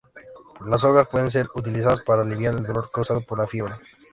Las hojas pueden ser utilizadas para aliviar el dolor causado por la fiebre.